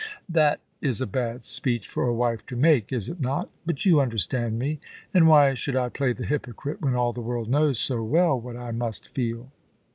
That is a bad speech for a wife to make, is it not ? But you understand me ; and why should I play the hypocrite when all the world knows so well what I must feel